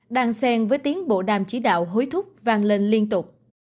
đang sen với tiếng bộ đàm chỉ đạo hối thúc vang lên liên tục